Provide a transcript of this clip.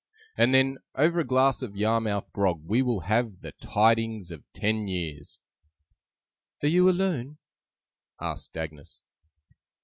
and then, over a glass of Yarmouth grog, we will have the tidings of ten years!' 'Are you alone?' asked Agnes.